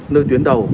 nơi tuyến đầu